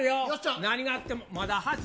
何があっても。